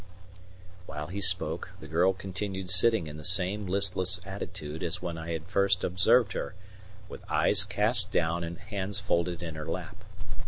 While he spoke, the girl continued sitting in the same listless attitude as when I first observed her, with eyes cast down and hands folded in her lap.